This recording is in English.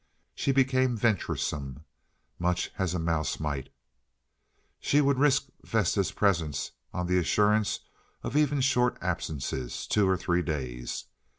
She became venturesome much as a mouse might; she would risk Vesta's presence on the assurance of even short absences—two or three days.